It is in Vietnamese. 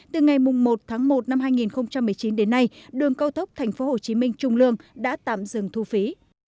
từ ngày một tháng một năm hai nghìn một mươi chín đến nay đường cao tốc tp hcm trung lương đã tạm dừng thu phí